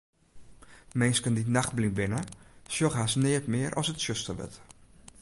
Minsken dy't nachtblyn binne, sjogge hast neat mear as it tsjuster wurdt.